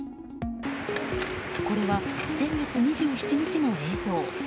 これは先月２７日の映像。